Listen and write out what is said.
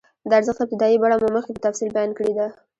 د ارزښت ابتدايي بڼه مو مخکې په تفصیل بیان کړې ده